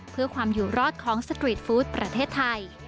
เพื่อความอยู่รอดของสตรีทฟู้ดประเทศไทย